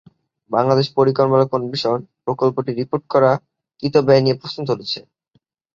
বাংলাদেশ পরিকল্পনা কমিশন প্রকল্পটির রিপোর্ট করা কৃত ব্যয় নিয়ে প্রশ্ন তুলেছে।